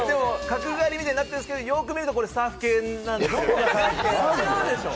角刈りみたいになってるんですけどよく見るとサーフ系なんです。